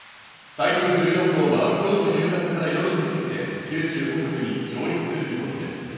台風１４号は今日の夕方から夜にかけて九州北部に上陸する見込みです。